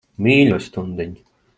Mīļo stundiņ.